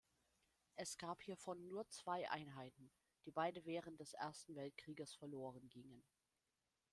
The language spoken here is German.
Es gab hiervon nur zwei Einheiten, die beide während des Ersten Weltkrieges verlorengingen.